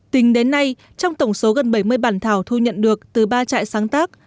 tính đến nay trong tổng số gần bảy mươi bản thảo thu nhận được từ ba trại sáng tác